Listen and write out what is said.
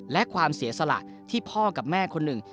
และความเสียสละที่พ่อกับแม่คนหนึ่ง